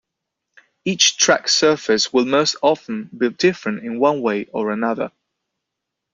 Each track surface will most often be different in one way or another.